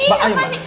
apa sih apa sih